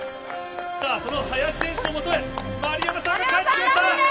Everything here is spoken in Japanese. さあ、その林選手のもとへ、丸山さんが帰ってきました。